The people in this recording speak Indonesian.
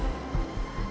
mungkin suatu saat